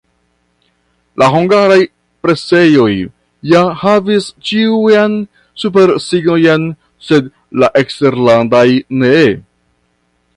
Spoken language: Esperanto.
La hungaraj presejoj ja havis ĉiujn supersignojn, sed la eksterlandaj ne.